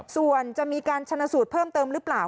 ส่วนจะมีการชนะสูตรเพิ่มเติมหรือเปล่า